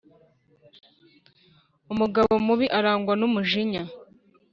umugabo mubi arangwa numujinya